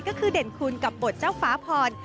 ก็คือเด่นคุณกับบทเจ้าฟ้าพร